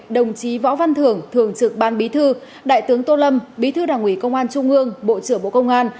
đồng chí võ văn thưởng thường trực ban bí thư đại tướng tô lâm bí thư đảng ủy công an trung ương bộ trưởng bộ công an